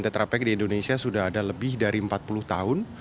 tetrapek di indonesia sudah ada lebih dari empat puluh tahun